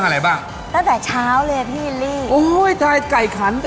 โชคความแม่นแทนนุ่มในศึกที่๒กันแล้วล่ะครับ